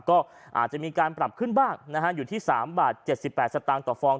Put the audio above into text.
ก็อาจจะมีการปรับขึ้นบ้างนะฮะอยู่ที่สามบาทเจ็ดสิบแปดสตางค์ต่อฟอง